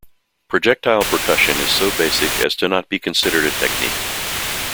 Projectile percussion is so basic as to not be considered a technique.